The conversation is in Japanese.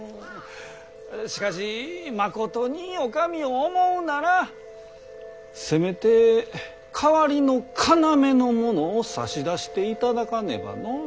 しかしまことにお上を思うならせめて代わりの要の者を差し出していただかねばのう。